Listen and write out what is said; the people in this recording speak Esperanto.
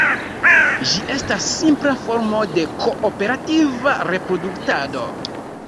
Ĝi estas simpla formo de kooperativa reproduktado.